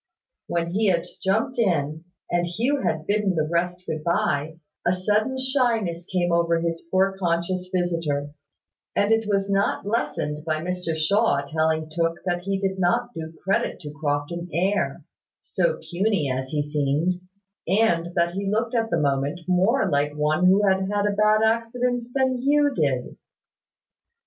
When he had jumped in, and Hugh had bidden the rest good bye, a sudden shyness came over his poor conscious visitor: and it was not lessened by Mr Shaw telling Tooke that he did not do credit to Crofton air, so puny as he seemed: and that he looked at that moment more like one that had had a bad accident than Hugh did.